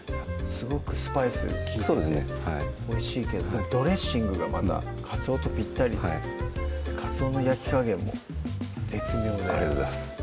すごくスパイス利いてておいしいけどドレッシングがまたかつおとピッタリでかつおの焼き加減も絶妙でありがとうございます